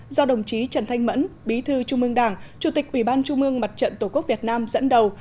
do đồng chí trần thanh mẫn bí thư trung ương đảng chủ tịch ủy ban trung mương mặt trận tổ quốc việt nam dẫn đầu